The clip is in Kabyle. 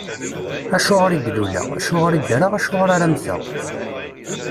Acuɣeṛ i d-luleɣ, acuɣeṛ i ddreɣ, acuɣeṛ ara mteɣ?